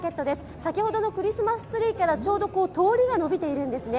先ほどのクリスマスツリーからちょうど通りが伸びているんですね。